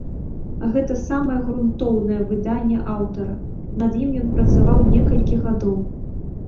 Гэта самае грунтоўнае выданне аўтара, над ім ён працаваў некалькі гадоў.